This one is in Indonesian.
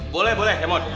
boleh boleh ya om